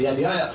ya dia ya